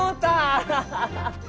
アハハハ！